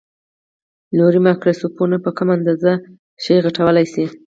نوري مایکروسکوپونه په کمه اندازه شی غټولای شي.